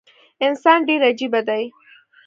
انسان ډیر عجیبه دي